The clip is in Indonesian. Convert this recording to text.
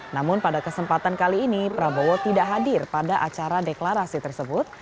namun pada kesempatan kali ini prabowo tidak hadir pada acara deklarasi tersebut